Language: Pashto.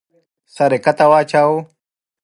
سر يې کښته واچاوه.